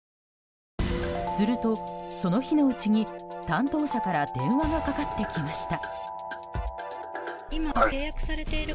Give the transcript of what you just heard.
するとその日のうちに担当者から電話がかかってきました。